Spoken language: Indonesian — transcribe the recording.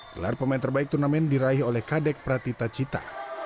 gelar pemain terbaik turnamen diraih oleh kadek pratita cita